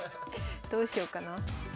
どうしようかな。